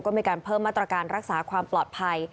ก็มีการเพิ่มมาตรการรักษาความปลอดภัย